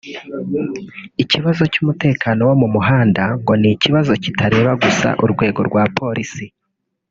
Ikibazo cy’umutekano wo mu muhanda ngo ni ikibazo kitareba gusa urwego rwa Polisi